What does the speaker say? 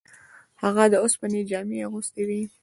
هغه د اوسپنې جامې اغوستې وې.